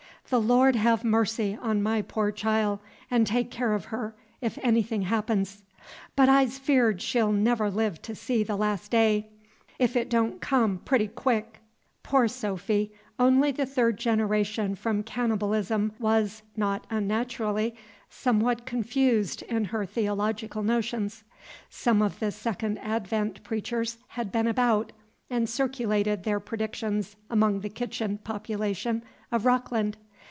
The Lord have mercy on my poor chil', 'n' take care of her, if anything happens! But I's feared she'll never live to see the Las' Day, 'f 't don' come pooty quick." Poor Sophy, only the third generation from cannibalism, was, not unnaturally, somewhat confused in her theological notions. Some of the Second Advent preachers had been about, and circulated their predictions among the kitchen population of Rockland.